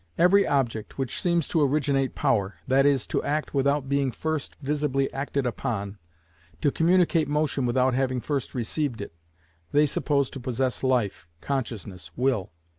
Every object which seems to originate power, that is, to act without being first visibly acted upon, to communicate motion without having first received it, they suppose to possess life, consciousness, will.